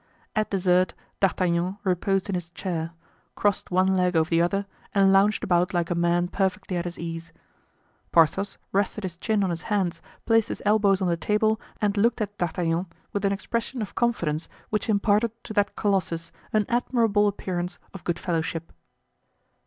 At dessert D'Artagnan reposed in his chair, crossed one leg over the other and lounged about like a man perfectly at his ease. Porthos rested his chin on his hands, placed his elbows on the table and looked at D'Artagnan with an expression of confidence which imparted to that colossus an admirable appearance of good fellowship.